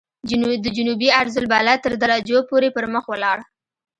د جنوبي عرض البلد تر درجو پورې پرمخ ولاړ.